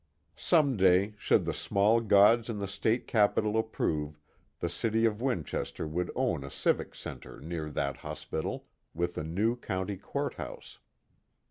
Some day, should the small gods in the state capital approve, the city of Winchester would own a Civic Center near that hospital, with a new county courthouse.